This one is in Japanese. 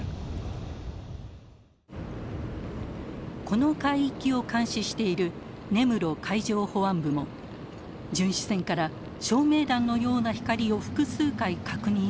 この海域を監視している根室海上保安部も巡視船から照明弾のような光を複数回確認したといいます。